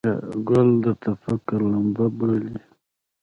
کتل د تفکر لمبه بلي